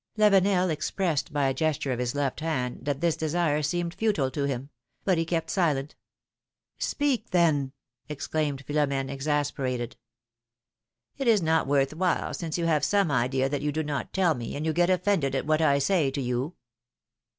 Lavenel expressed by a gesture of his left hand that this desire seemed futile to him ; but he kept silent. Speak, then !" exclaimed Philom^ne, exasperated. ^^It is not worth while, since you have some idea that you do not tell me, and you get offended at what I say to you."